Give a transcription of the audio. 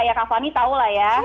ya kak fanny tau lah ya